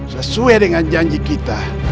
sesuai dengan janji kita